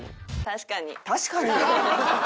「確かに」？